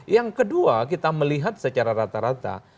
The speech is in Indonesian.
yang kedua kita melihat secara rata rata